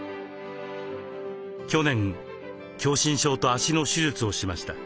去年狭心症と脚の手術をしました。